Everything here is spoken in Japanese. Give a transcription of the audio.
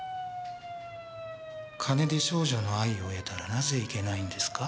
金で少女の愛を得たらなぜいけないんですか？